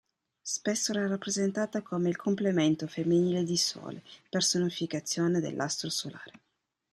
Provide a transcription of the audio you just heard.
Spesso era rappresentata come il complemento femminile di Sole, personificazione dell'astro solare.